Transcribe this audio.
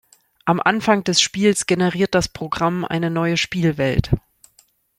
Am Anfang des Spiels generiert das Programm eine neue Spielwelt.